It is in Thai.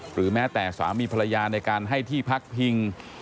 หรือแม้แต่สามีภรรยาในการให้ที่พักพิง